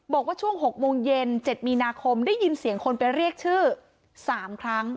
บอกว่าช่วง๖โมงเย็น๗มีนาคมได้ยินเสียงคนไปเรียกชื่อ๓ครั้ง